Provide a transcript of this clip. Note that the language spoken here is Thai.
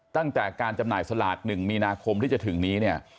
ตั้งแต่การจำหน่ายสลาก๑มีนาคมที่จะถึงนี้เนี่ย